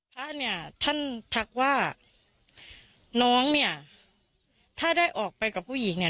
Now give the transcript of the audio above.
พระเนี่ยท่านทักว่าน้องเนี่ยถ้าได้ออกไปกับผู้หญิงเนี่ย